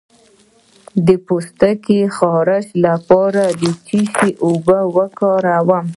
د پوستکي خارښ لپاره د څه شي اوبه وکاروم؟